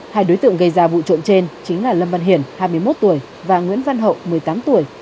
hai đối tượng gây ra vụ trộm trên chính là lâm văn hiển hai mươi một tuổi và nguyễn văn hậu một mươi tám tuổi